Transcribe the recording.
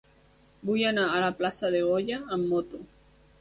Vull anar a la plaça de Goya amb moto.